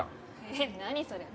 ・えっ何それ？